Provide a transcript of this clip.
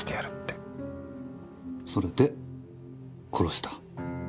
それで殺した？